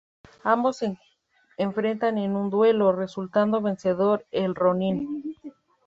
Ambos se enfrentan en un duelo, resultando vencedor el ronin.